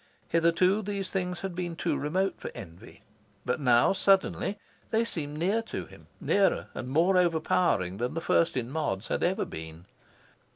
Hitherto, these things had been too remote for envy. But now, suddenly, they seemed near to him nearer and more overpowering than the First in Mods had ever been.